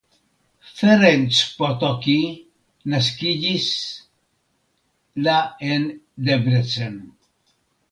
Ferenc Pataki naskiĝis la en Debrecen.